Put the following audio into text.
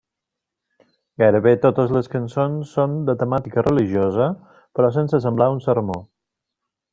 Gairebé totes les cançons són de temàtica religiosa, però sense semblar un sermó.